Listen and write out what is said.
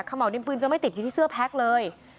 เห่าดินปืนจะไม่ติดอยู่ที่เสื้อแพ็คเลย